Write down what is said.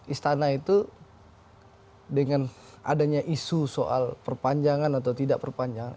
istana itu dengan adanya isu soal perpanjangan atau tidak perpanjangan